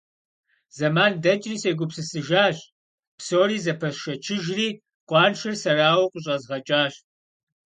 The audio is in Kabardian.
Зэман дэкӀри, сегупсысыжащ, псори зэпэсшэчыжри, къуаншэр сэрауэ къыщӀэзгъэкӀащ.